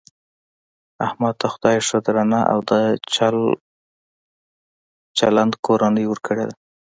احمد ته خدای ښه درنه او د چل چلن کورنۍ ورکړې ده .